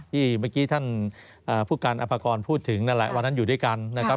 ที่เมื่อกี้ท่านผู้การอัปกรณ์พูดถึงวันนั้นอยู่ด้วยกันนะครับ